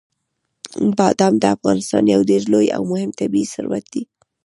بادام د افغانستان یو ډېر لوی او مهم طبعي ثروت دی.